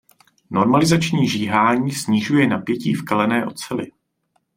Normalizační žíhání snižuje napětí v kalené oceli.